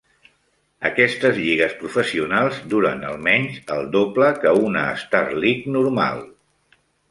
Aquestes lligues professionals duren al menys el doble que una Starleague normal.